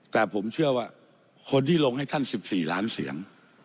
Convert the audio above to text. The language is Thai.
แต่ผมเชื่อว่าคนที่ลงให้ท่าน๑๔ล้านเสียง